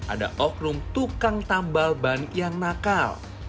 ada oknum tukang tambal ban yang nakal